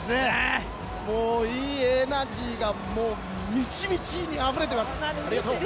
もう、いいエナジーがみちみちにあふれています。